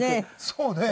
そうね。